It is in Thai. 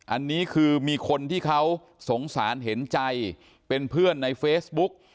อันนี้คือมีคนที่เขาสงสารเห็นใจเป็นเพื่อนในเฟซบุ๊ก